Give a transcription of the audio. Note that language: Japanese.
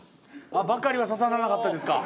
あっバカリは刺さらなかったですか？